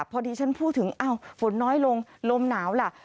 พอดีฉันพูดถึงอ้าวฝนน้อยลงลมหนาวล่ะ